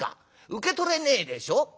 受け取れねえでしょ。